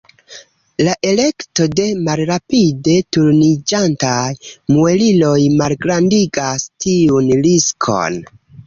La elekto de malrapide turniĝantaj mueliloj malgrandigas tiun riskon.